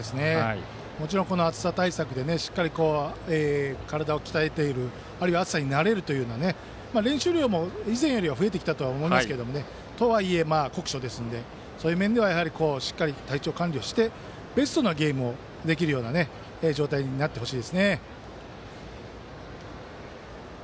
もちろん、暑さ対策でしっかり体を鍛えたり暑さに慣れるということで練習量も以前より増えてきたとはいえ酷暑ですのでそういう面では体調管理をしてベストなゲームができるような状態になってほしいですね。